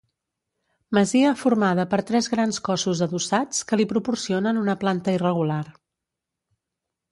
Masia formada per tres grans cossos adossats que li proporcionen una planta irregular.